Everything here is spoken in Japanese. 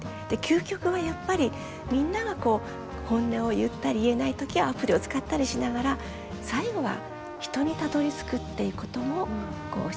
究極はやっぱりみんなが本音を言ったり言えない時はアプリを使ったりしながら最後は人にたどり着くっていうことも示していただけたかな。